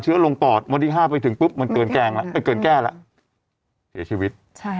เชื้อลงปอดวันที่๕ไปถึงปุ๊บเกินแก้แล้วเสียชีวิต